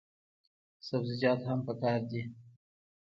سبزیجات هم پکار دي.